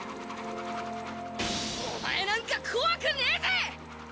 お前なんか怖くねえぜ！